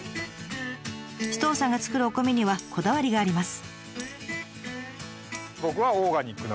首藤さんが作るお米にはこだわりがあります。